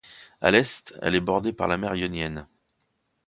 À l'est, elle est bordée par la mer Ionienne.